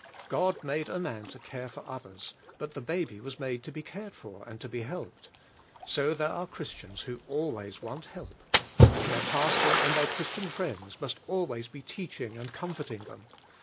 God made a man to care for others, but the baby was made to be cared for and to be helped. So there are Christians who always want help. Their pastor and their Christian friends must always be teach ing and comforting them.